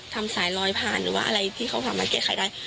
สายลอยผ่านหรือว่าอะไรที่เขาสามารถแก้ไขได้